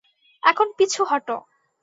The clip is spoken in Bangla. এখন পিছু হটো!